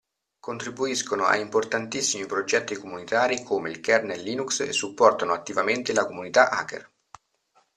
Contribuiscono a importantissimi progetti comunitari, come il Kernel Linux e supportano attivamente la comunità hacker.